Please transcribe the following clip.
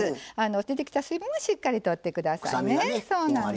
出てきた水分はしっかりとってください。